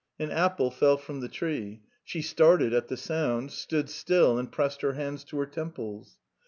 An apple fell from the tree, she started at the noise, stopped and pressed her hands to, her temples.